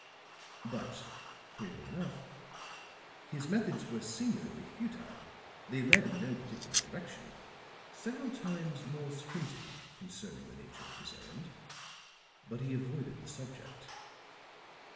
But, queerly enough, his methods were singularly futile; they led in no particular direction. Several times Morse hinted concerning the nature of his errand, but he avoided the subject.